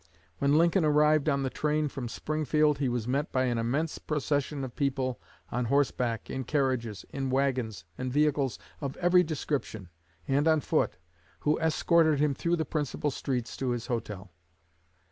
When Lincoln arrived on the train from Springfield, he was met by an immense procession of people on horseback, in carriages, in wagons and vehicles of every description, and on foot, who escorted him through the principal streets to his hotel.